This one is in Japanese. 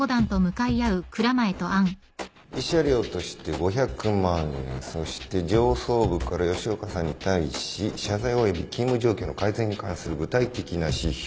慰謝料として５００万円そして上層部から吉岡さんに対し謝罪および勤務状況の改善に関する具体的な指標。